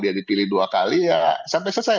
dia dipilih dua kali ya sampai selesai